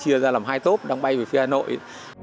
chia ra làm hai tốp đang bay về phía hà nội